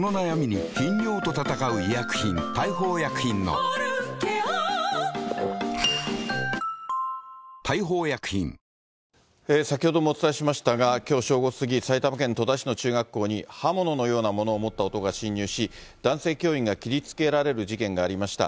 男性教員は病院に搬送されていて、先ほどもお伝えしましたが、きょう正午過ぎ、埼玉県戸田市の中学校に刃物のようなものを持った男が侵入し、男性教員が切りつけられる事件がありました。